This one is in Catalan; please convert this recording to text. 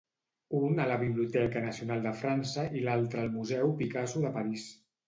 Un a la Biblioteca Nacional de França i l'altre al Museu Picasso de París.